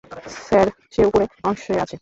Sir, সে উপরের অংশে আছে।